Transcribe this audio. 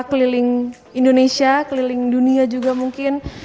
keliling indonesia keliling dunia juga mungkin